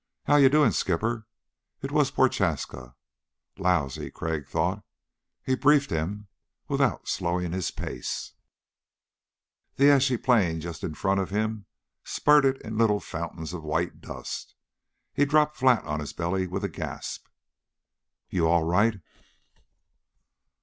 "How you doing, skipper?" It was Prochaska. Lousy, Crag thought. He briefed him without slowing his pace. The ashy plain just in front of him spurted in little fountains of white dust. He dropped flat on his belly with a gasp. "You all right?"